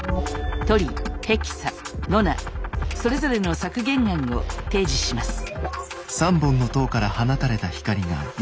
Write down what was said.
トリヘキサノナそれぞれの削減案を提示します。